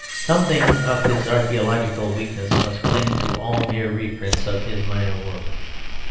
Something of this archæological weakness must cling to all mere reprints of his minor work.